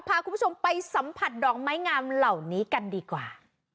พาคุณผู้ชมไปสัมผัสดอกไม้งามเหล่านี้กันดีกว่า